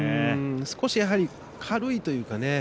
少し軽いというかですね